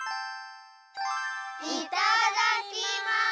いただきます！